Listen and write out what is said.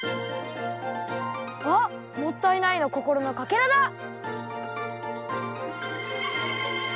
あっ「もったいない」のこころのかけらだ！